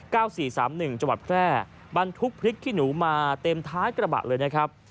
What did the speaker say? สี่สามหนึ่งจังหวัดแพร่บรรทุกพริกขี้หนูมาเต็มท้ายกระบะเลยนะครับ